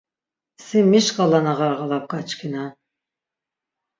Si mi şǩala na ğarğalap gaçkinen?